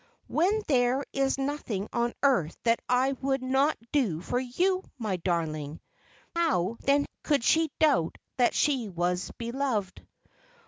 when there is nothing on earth that I would not do for you, my darling!" How, then, could she doubt that she was beloved?